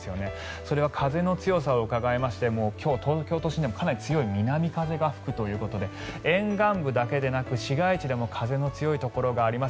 それは風の強さもうかがえまして東京都心でもかなり強い南風が吹くということで沿岸部だけでなく市街地でも風の強いところがあります。